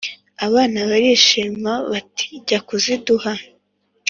abana barishima, bati: «jya kuziduha».